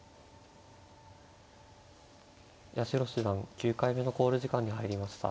八代七段９回目の考慮時間に入りました。